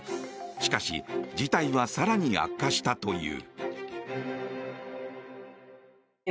しかし事態は更に悪化したという。